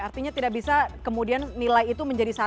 artinya tidak bisa kemudian nilai itu menjadi satu